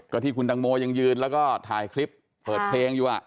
ก็ที่คุณตังโมยังยืนแล้วก็ถ่ายคลิปเปิดเพลงอยู่